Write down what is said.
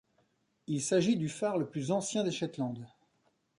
Il s'agit du phare le plus ancien des Shetland.